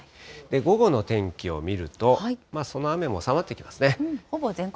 午後の天気を見ると、その雨も収まってきますね。